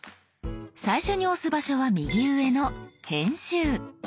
最初に押す場所は右上の「編集」。